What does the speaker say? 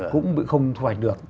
cũng bị không thu hoạch được